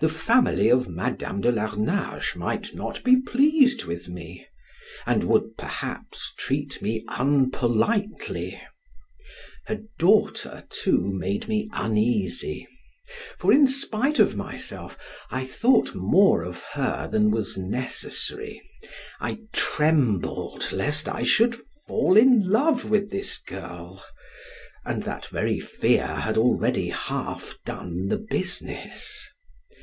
The family of Madam de Larnage might not be pleased with me, and would, perhaps, treat me unpolitely; her daughter too made me uneasy, for, spite of myself, I thought more of her than was necessary. I trembled lest I should fall in love with this girl, and that very fear had already half done the business.